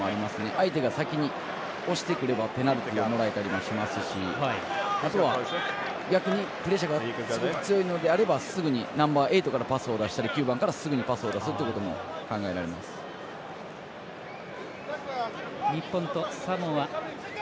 相手が先に押してくればペナルティをもらえたりもしますし、あとは逆にプレッシャーがすごく強いのであればすぐにナンバーエイトからパスを出したり９番からすぐにパスを出す日本とサモア。